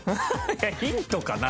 いやヒントかな？